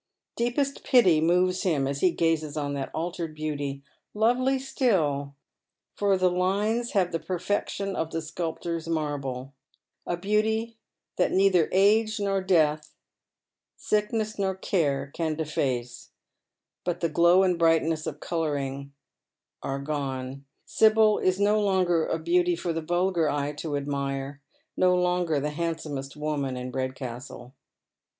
Deepest pity moves him as he gazes on that altered beauty, lovely still, for the hues have the perfection of the sculptor's marble — a beauty that neither age nor death, sickness nor care can deface, — but the glow and brightness of colouring are gone. Sibyl is no longer a beauty for the vulgar eye to admire, no longer the handsomest woman in Redcastle.